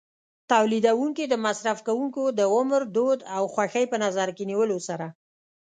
تولیدوونکي د مصرف کوونکو د عمر، دود او خوښۍ په نظر کې نیولو سره.